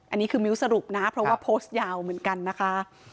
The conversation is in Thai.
อันนี้คือมิ้วสรุปนะเพราะว่าโพสต์ยาวเหมือนกันนะคะ